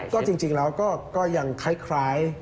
ก็จริงแล้วก็ยังคล้าย